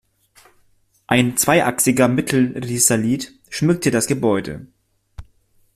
Ein zweiachsiger Mittelrisalit schmückte das Gebäude.